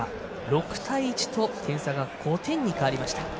６対１と点差が５点に変わりました。